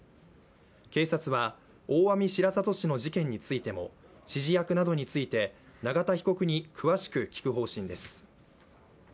警察は大網白里市の事件についても指示役などについて永田被告に詳しく聴く方針です。